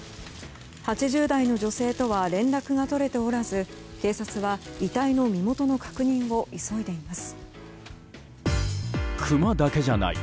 ８０代の女性とは連絡が取れておらず警察は、遺体の身元の確認を急いでいます。